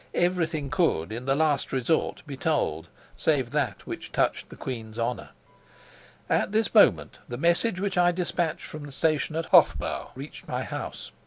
Everything could, in the last resort, be told, save that which touched the queen's honor. At this moment the message which I despatched from the station at Hofbau reached my house.